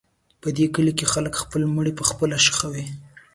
په دې کلي کې خلک خپل مړي پخپله ښخوي.